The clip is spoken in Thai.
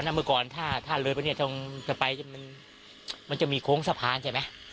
เมื่อก่อนถ้าเลยไปเนี่ยตรงจะไปมันจะมีโค้งสะพานใช่ไหม